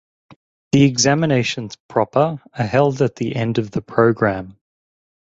The examinations proper are held at the end of the programme.